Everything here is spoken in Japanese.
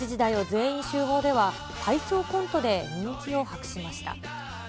全員集合では体操コントで人気を博しました。